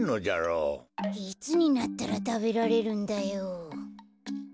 いつになったらたべられるんだよ。